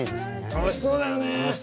楽しそうだよね。